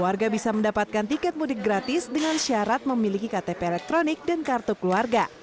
warga bisa mendapatkan tiket mudik gratis dengan syarat memiliki ktp elektronik dan kartu keluarga